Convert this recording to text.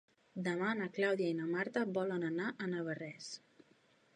Demà na Clàudia i na Marta volen anar a Navarrés.